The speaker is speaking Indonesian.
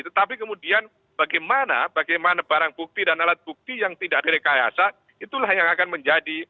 tetapi kemudian bagaimana barang bukti dan alat bukti yang tidak direkayasa itulah yang akan menjadi